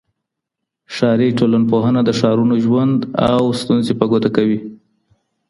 ښاري ټولنپوهنه د ښارونو ژوند او ستونزې په ګوته کوي.